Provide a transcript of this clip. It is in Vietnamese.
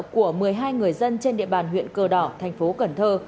của một mươi hai người dân trên địa bàn huyện cờ đỏ thành phố cần thơ